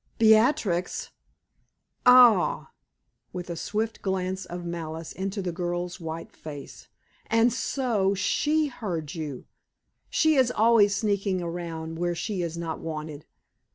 "Beatrix! Ah!" with a swift glance of malice into the girl's white face "and so she heard you? She is always sneaking around where she is not wanted.